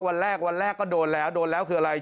วันแรกวันแรกก็โดนแล้วโดนแล้วคืออะไร